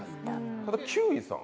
ただ休井さん